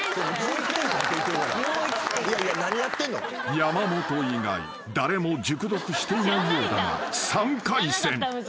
［山本以外誰も熟読していないようだが３回戦］